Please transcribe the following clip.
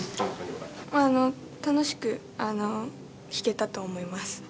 楽しく弾けたと思います。